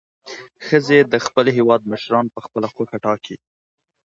ښځې د خپل هیواد مشران په خپله خوښه ټاکي.